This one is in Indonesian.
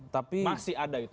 masih ada itu ya